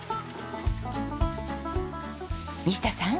西田さん。